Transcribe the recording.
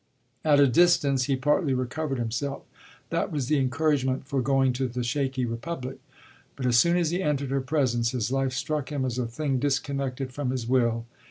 At a distance he partly recovered himself that was the encouragement for going to the shaky republic; but as soon as he entered her presence his life struck him as a thing disconnected from his will.